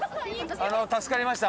助かりました！